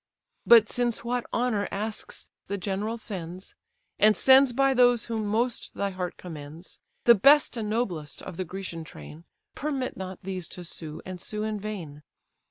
But since what honour asks the general sends, And sends by those whom most thy heart commends; The best and noblest of the Grecian train; Permit not these to sue, and sue in vain!